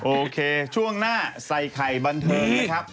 โอเคช่วงหน้าใส่ไข่บันเทิงนะครับ